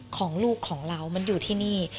ของลูกของเรามันอยู่ที่นี่